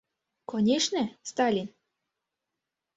Конешне, Сталин.